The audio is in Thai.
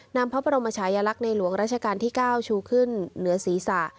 นำพระบรมชายลักษณ์ในหลวงราชการที่๙ชูขึ้นเหนือศีรษะ